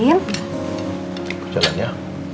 aku jalan ya